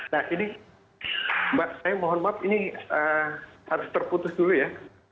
nah ini mbak saya mohon maaf ini harus terputus dulu ya